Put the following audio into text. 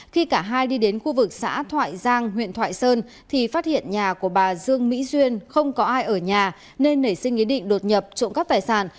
khi cả hai đi đến khu vực xã thoại giang huyện thoại sơn thì phát hiện nhà của bà dương mỹ duyên không có ai ở nhà nên nảy sinh ý định đột nhập trộm cắp tài sản